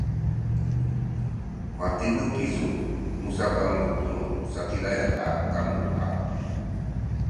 matineng kisu musakamu tunu Sakizaya a kamu haw?